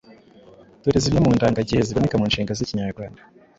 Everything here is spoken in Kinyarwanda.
Dore zimwe mu ndangagihe ziboneka mu nshinga z’Ikinyarwanda.